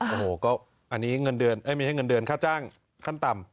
โอ้โหอันนี้ไม่ใช่เงินเดือนข้าวจ้างขั้นต่ำ